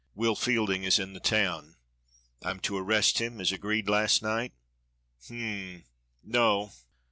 "WILL FIELDING is in the town; I'm to arrest him as agreed last night?" "Hum! no!"